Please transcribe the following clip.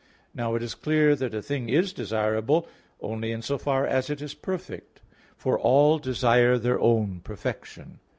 Now it is clear that a thing is desirable only in so far as it is perfect; for all desire their own perfection.